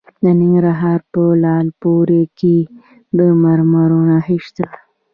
د ننګرهار په لعل پورې کې د مرمرو نښې شته.